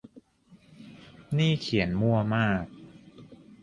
นี่เขียนมั่วมาก